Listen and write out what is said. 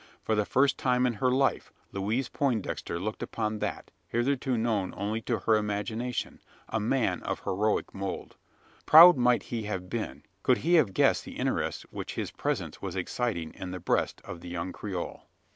For the first time in her life, Louise Poindexter looked upon that hitherto known only to her imagination a man of heroic mould. Proud might he have been, could he have guessed the interest which his presence was exciting in the breast of the young Creole.